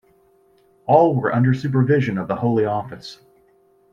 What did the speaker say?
All were under supervision of the Holy Office.